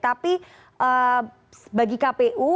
tapi bagi kpu